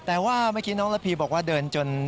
แต่ว่าเมื่อกี้น้องระพีบอกว่าเดินจน